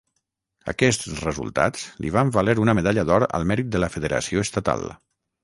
Aquests resultats li van valer una Medalla d'Or al mèrit de la federació estatal.